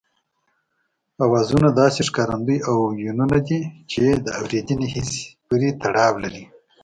آوازونه داسې ښکارندې او يوونونه دي چې د اورېدني حس پورې تړاو لري